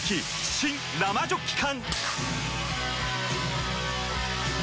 新・生ジョッキ缶！